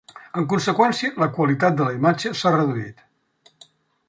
En conseqüència, la qualitat de la imatge s'ha reduït.